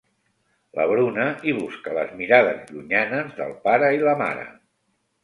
La Bruna hi busca les mirades llunyanes del pare i la mare.